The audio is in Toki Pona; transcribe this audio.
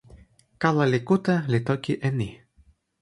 kala li kute, li toki e ni: